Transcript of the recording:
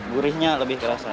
gurihnya lebih terasa